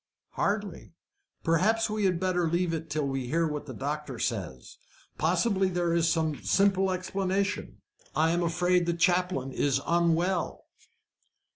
"Hardly. Perhaps we had better leave it till we hear what the doctor says. Possibly there is some simple explanation. I am afraid the chaplain is unwell."